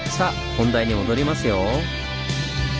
本題に戻りますよ。